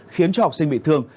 khiến cho học sinh bị thương